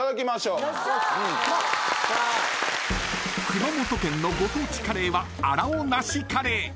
［熊本県のご当地カレーは荒尾梨カレー］